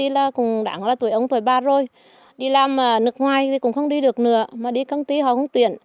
làm mượn rồng họ làm thôi